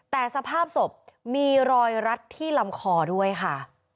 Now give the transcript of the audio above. แต่สภาพศพมีรอยรัดที่ลำคอด้วยค่ะ